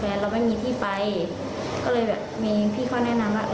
เราไม่มีที่ไปก็เลยแบบมีพี่เขาแนะนำว่า